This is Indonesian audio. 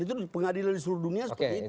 itu pengadilan di seluruh dunia seperti itu